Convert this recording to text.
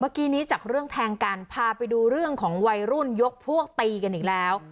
เมื่อกี้นี้จากเรื่องแทงกันพาไปดูเรื่องของวัยรุ่นยกพวกตีกันอีกแล้ว